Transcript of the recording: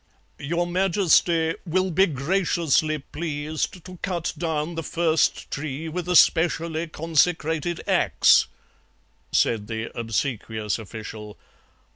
"'Your Majesty will be graciously pleased to cut down the first tree with a specially consecrated axe,' said the obsequious official.